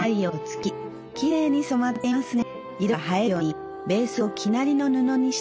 きれいに染まってますよね。